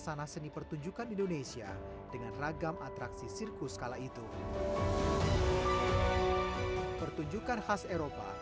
sana seni pertunjukan indonesia dengan ragam atraksi sirkus kala itu pertunjukan khas eropa